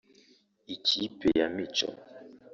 Iyi kipe ya Micho